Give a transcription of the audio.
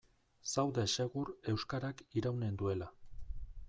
Zaude segur euskarak iraunen duela.